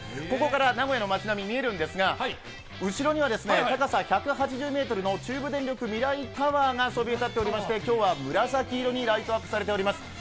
ここから名古屋の街並み見えるんですが、後ろには高さ１８０ｍの中部電力ＭＩＲＡＩＴＯＷＥＲがそびえ立っていまして今日は紫色にライトアップされております。